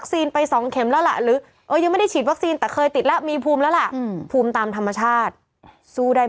สิ่งที่เราทำกันอยู่นะ